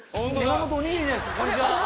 こんにちは。